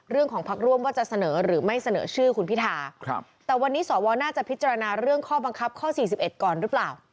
พักร่วมว่าจะเสนอหรือไม่เสนอชื่อคุณพิธาแต่วันนี้สวน่าจะพิจารณาเรื่องข้อบังคับข้อ๔๑ก่อนหรือเปล่า